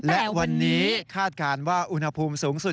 และวันนี้คาดการณ์ว่าอุณหภูมิสูงสุด